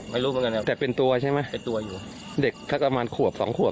ไม่รู้เหมือนกันครับแต่เป็นตัวใช่ไหมเป็นตัวอยู่เด็กสักประมาณขวบสองขวบ